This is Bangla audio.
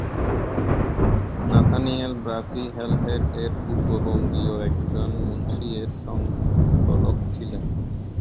নাথানিয়েল ব্রাসি হ্যালহেড-এর পূর্ববঙ্গীয় একজন মুনশি এর সংকলক ছিলেন।